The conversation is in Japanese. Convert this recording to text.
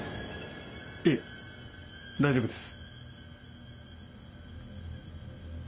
いえ大丈夫です。